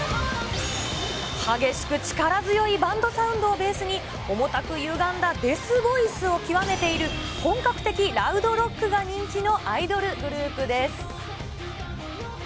激しく力強いバンドサウンドをベースに、重たくゆがんだデスボイスを極めている、本格的ラウドロックが人気のアイドルグループです。